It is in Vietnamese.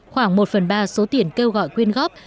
khoảng một phần ba số tiền kêu gọi quyên góp